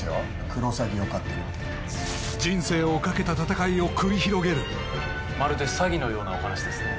クロサギを飼ってるって人生をかけた闘いを繰り広げるまるで詐欺のようなお話ですね